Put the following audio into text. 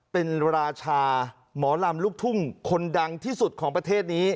เป็นราชาหมอลำลูกทุ่งคนดังที่สุดของประเทศนี้